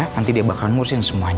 ya nanti dia bakalan ngurusin semuanya